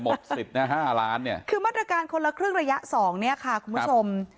สิทธิ์นะ๕ล้านเนี่ยคือมาตรการคนละครึ่งระยะสองเนี่ยค่ะคุณผู้ชม